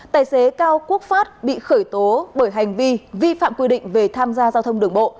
tài xế cao quốc phát bị khởi tố bởi hành vi vi phạm quy định về tham gia giao thông đường bộ